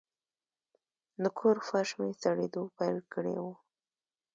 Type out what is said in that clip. د کور فرش مې سړېدو پیل کړی و.